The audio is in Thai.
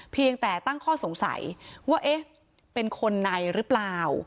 เพียงแต่ตั้งข้อสงสัยว่าเอ๊ะเป็นคนในหรือเปล่า